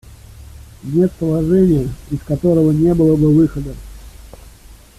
Нет положения, из которого не было бы выхода.